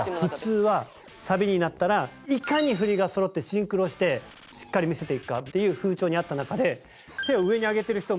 いかに振りがそろってシンクロしてしっかり見せていくかっていう風潮にあった中で。